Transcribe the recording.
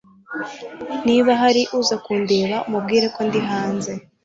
Niba hari uza kundeba umubwire ko ndi hanze